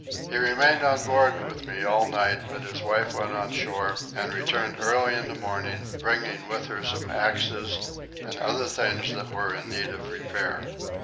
He remained on board with me all night but his wife went on shore and returned early in the morning, bringing with her some axes and other things that were in need of repair.